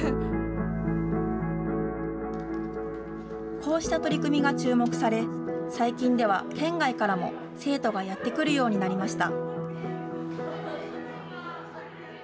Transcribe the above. こうした取り組みが注目され、最近では、県外からも生徒がやって来るようになりました。